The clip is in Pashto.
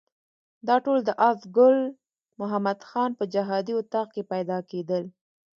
دا ټول د آس ګل محمد خان په جهادي اطاق کې پیدا کېدل.